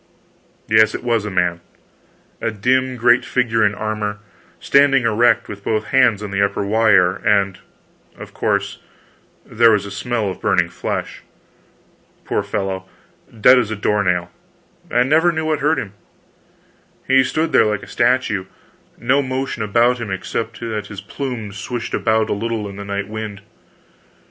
Yes, it was a man a dim great figure in armor, standing erect, with both hands on the upper wire and, of course, there was a smell of burning flesh. Poor fellow, dead as a door nail, and never knew what hurt him. He stood there like a statue no motion about him, except that his plumes swished about a little in the night wind.